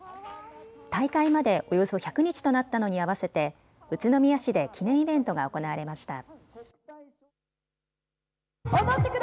大会までおよそ１００日となったのに合わせて宇都宮市で記念イベントが行われました。